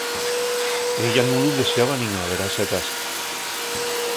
Ella nun lu dexaba nin averase a casa.